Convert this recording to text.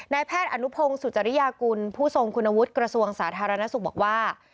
แพทย์อนุพงศ์สุจริยากุลผู้ทรงคุณวุฒิกระทรวงสาธารณสุขบอกว่า